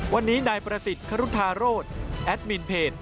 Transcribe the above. วันนี้นายประสิทธิ์ครุธาโรธแอดมินเพจ